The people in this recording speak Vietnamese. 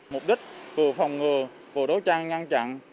mục đích vừa phòng ngừa vừa đấu tranh ngăn chặn